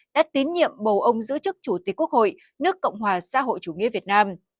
đã tín nhiệm bầu ông giữ chức chủ tịch quốc hội nước cộng hòa xã hội chủ nghĩa việt nam